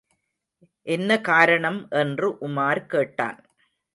என்ன காரணம் என்று உமார் கேட்டான்.